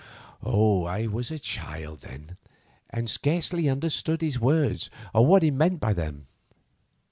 I was a child then, and scarcely understood his words or what he meant by them.